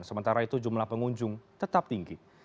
sementara itu jumlah pengunjung tetap tinggi